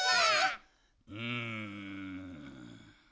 うん。